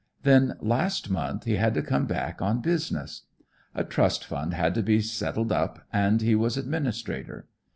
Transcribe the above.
Then, last month, he had to come back on business. A trust fund had to be settled up, and he was administrator.